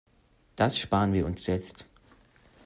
Das spar'n wir uns jetzt.